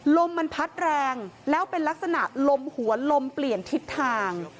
ลมมันพัดแรงแล้วเป็นลักษณะลมหัวลมเปลี่ยนทิศทาง